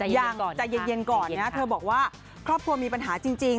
ยังใจเย็นก่อนนะเธอบอกว่าครอบครัวมีปัญหาจริง